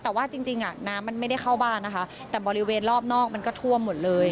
แต่ว่าจริงน้ำมันไม่ได้เข้าบ้านนะคะแต่บริเวณรอบนอกมันก็ท่วมหมดเลย